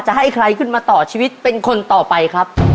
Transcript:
ให้ใครขึ้นมาต่อชีวิตเป็นคนต่อไปครับ